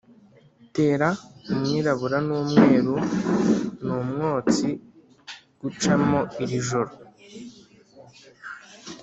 'tera umwirabura n'umweru ni umwotsi' gucamo iri joro